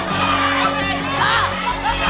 เพลงที่๑๐นะครับ